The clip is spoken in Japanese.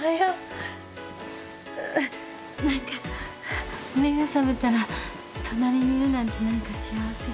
何か目が覚めたら隣にいるなんて何か幸せ。